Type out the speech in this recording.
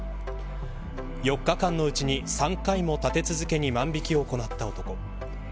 ４日間のうちに３回も立て続けに万引を行った男。